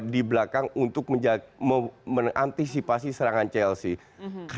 di belakang untuk menanti sipasi serangan chelsea